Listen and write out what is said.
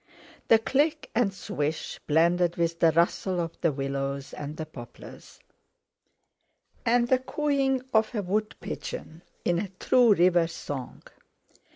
The click and swish blended with the rustle of the willows and the poplars, and the cooing of a wood pigeon, in a true river song.